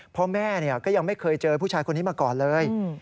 พ่อแม่ก็ยังไม่เคยเจอผู้ชายคนนี้มาก่อนเลย